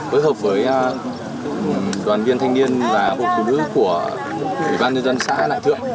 với hợp với đoàn viên thanh niên và bộ phụ nữ của ủy ban dân xã lại thượng